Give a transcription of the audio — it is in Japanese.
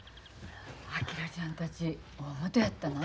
昭ちゃんたち大ごとやったな。